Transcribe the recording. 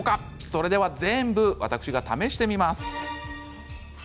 それでは全部、私が試してみます。